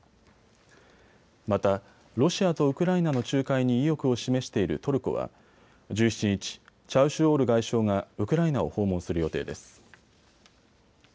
また、ロシアとウクライナの仲介に意欲を示しているトルコは１７日、チャウシュオール外相がウクライナを訪問する予定です。